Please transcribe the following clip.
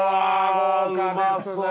うわ豪華ですね。